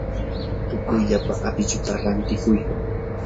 tupuyllapa apichuta rantikuy.